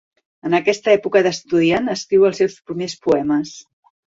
En aquesta època d'estudiant escriu els seus primers poemes.